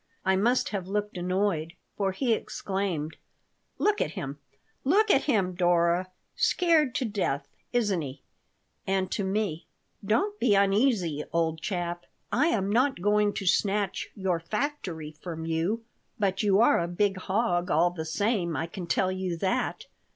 I must have looked annoyed, for he exclaimed: "Look at him! Look at him, Dora! Scared to death, isn't he?" And to me: "Don't be uneasy, old chap! I am not going to snatch your factory from you. But you are a big hog, all the same. I can tell you that.